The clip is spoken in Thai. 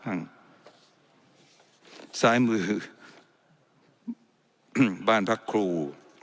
ซ้ายมืออืมบ้านพักครู